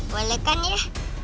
boleh kan ya